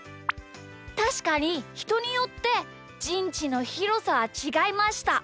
たしかにひとによってじんちのひろさはちがいました。